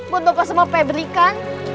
buat bapak sama febrikan